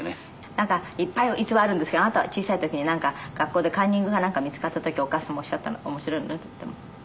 なんかいっぱい逸話あるんですけどあなたは小さい時に学校でカンニングかなんか見つかった時お母様おっしゃったの面白いのよとっても。